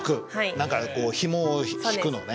何かこうひもを引くのね。